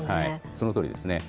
そのとおりですね。